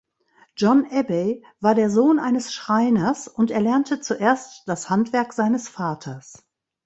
John Abbey war der Sohn eines Schreiners und erlernte zuerst das Handwerk seines Vaters.